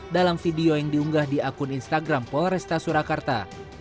dalam video yang diunggah di akun instagram polresta surakarta